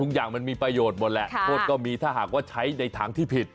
อย่างมันมีประโยชน์หมดแหละโทษก็มีถ้าหากว่าใช้ในทางที่ผิด